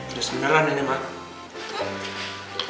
udah sembilan ini mah